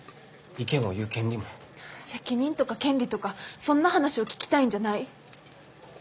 責任とか権利とかそんな話を聞きたいんじゃない。